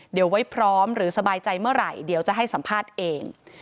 เดี๋ยวไว้พร้อมหรือสบายใจเมื่อไหร่เดี๋ยวจะให้สัมภาษณ์เอง